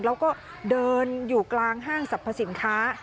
แล้วก็เดินอยู่กลางห้างสรรพสินค้า